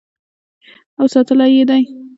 او ساتلی یې دی.